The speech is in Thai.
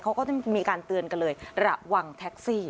เขาก็จะมีการเตือนกันเลยระวังแท็กซี่